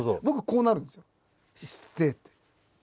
僕こうなるんですよＣって。